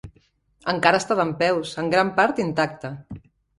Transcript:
Encara està dempeus, en gran part intacte.